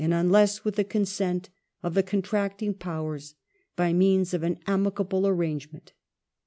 unless with the consent of the contracting Powers by means of an amicable arrangement